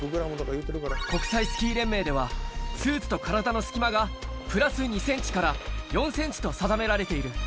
国際スキー連盟では、スーツと体の隙間がプラス２センチから４センチと定められている。